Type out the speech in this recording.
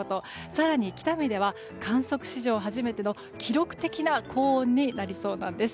更に北見では観測史上初めての記録的な高温になりそうです。